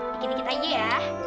dikit dikit aja ya